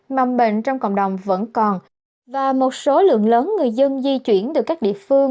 mầm bệnh trong cộng đồng vẫn còn và một số lượng lớn người dân di chuyển từ các địa phương